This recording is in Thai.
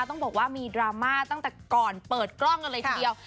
ต้องบอกว่ามีดราม่าตั้งแต่ก่อนเปิดกล้องกันเลยทีเดียว